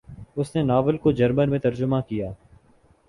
اس نے ناول کو جرمن میں ترجمہ کیا۔